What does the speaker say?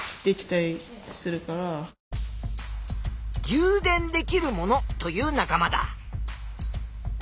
「じゅう電できるもの」という仲間だ。